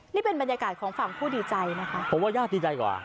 นี่เป็นบรรยากาศของฝั่งผู้ดีใจนะคะผมว่าญาติดีใจกว่า